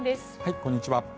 こんにちは。